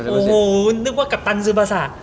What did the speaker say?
โอ้โหนึกว่ากัปตันซือประสาท